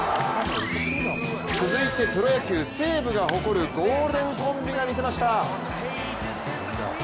続いてプロ野球、西武が誇るゴールデンコンビが見せました。